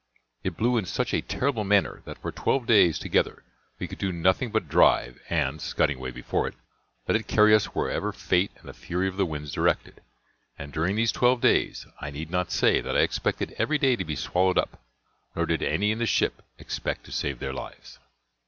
It blew in such a terrible manner, that for twelve days together we could do nothing but drive; and, scudding away before it, let it carry us wherever fate and the fury of the winds directed; and during these twelve days, I need not say that I expected every day to be swallowed up; nor did any in the ship expect to save their lives.